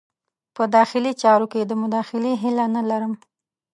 په داخلي چارو کې د مداخلې هیله نه لرم.